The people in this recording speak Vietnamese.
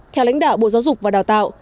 theo lãnh đạo bộ giáo dục và đào tạo